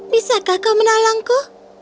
bisakah kau menolongku